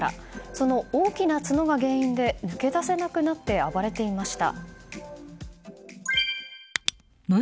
その大きな角が原因で抜け出せなくなって暴れていました。